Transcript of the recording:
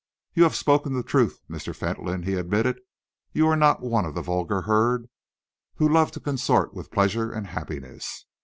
"You have spoken the truth, Mr. Fentolin," he admitted. "You are not one of the vulgar herd who love to consort with pleasure and happiness.